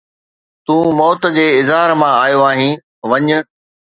تون موت جي اظهار مان آيو آهين، وڃ